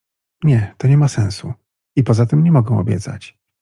” „Nie, to nie ma sensu i poza tym nie mogę obiecać.